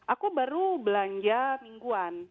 aku baru belanja mingguan